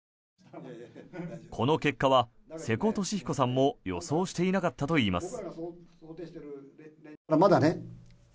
この結果は瀬古利彦さんも予想していなかったといいます。